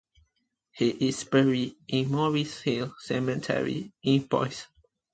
He is buried in Morris Hill Cemetery in Boise.